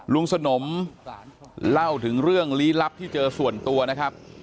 สนมเล่าถึงเรื่องลี้ลับที่เจอส่วนตัวนะครับ